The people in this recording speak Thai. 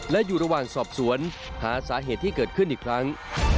และอยู่ระหว่างสอบสวนหาสาเหตุที่เกิดขึ้นอีกครั้ง